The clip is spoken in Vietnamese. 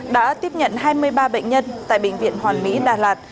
đã tiếp nhận hai mươi ba bệnh nhân tại bệnh viện hoàn mỹ đà lạt